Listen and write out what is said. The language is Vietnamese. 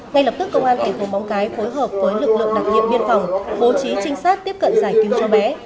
ngay lập tức công an thành phố móng cái phối hợp với lực lượng đặc nhiệm biên phòng bố trí trinh sát tiếp cận giải cứu cháu bé